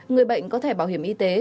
người bệnh có thẻ bảo hiểm y tế